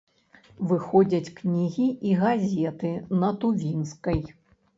Выходзяць кнігі і газеты на тувінскай.